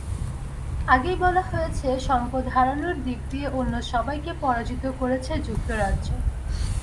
আগেই বলা হয়েছে, সম্পদ হারানোর দিক দিয়ে অন্য সবাইকে পরাজিত করেছে যুক্তরাজ্য।